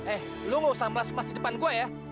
eh lu nggak usah melas melas di depan gua ya